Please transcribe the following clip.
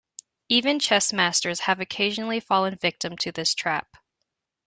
Even chess masters have occasionally fallen victim to this trap.